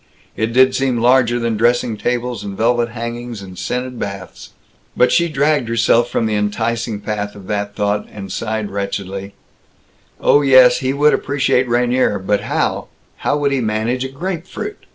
It did seem larger than dressing tables and velvet hangings and scented baths. But she dragged herself from the enticing path of that thought, and sighed wretchedly, "Oh, yes, he would appreciate Rainier, but how how would he manage a grape fruit?